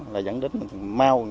là dẫn đến mau